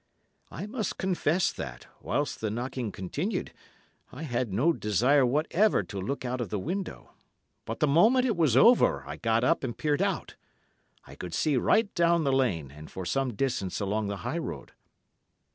I must confess that, whilst the knocking continued, I had no desire whatever to look out of the window, but the moment it was over I got up and peered out. I could see right down the lane and for some distance along the high road.